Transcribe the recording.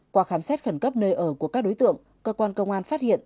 qua khám xét khẩn cấp nơi ở của các đối tượng cơ quan công an phát hiện